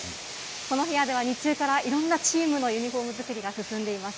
この部屋では日中から、いろんなチームのユニホーム作りが進んでいます。